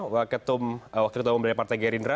wakil tumum dari partai gerindra